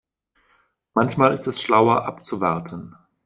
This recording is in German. Manchmal ist es schlauer abzuwarten.